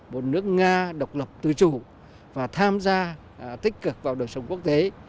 một nước nga độc lập tư chủ và tham gia tích cực vào đời sống quốc tế